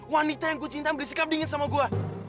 wanita yang gue cintai ambil sikap dingin sama gue